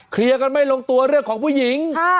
เคลียร์กันไม่ลงตัวเรื่องของผู้หญิง